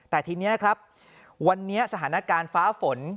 แต่ทีนี้ครับวันนี้สถานการณ์ฟ้าฝน